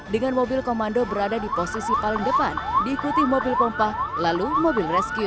dengan mobil komando berada di posisi paling depan diikuti mobil pompa lalu mobil rescue